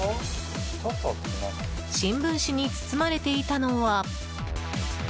新聞紙に包まれていたのは。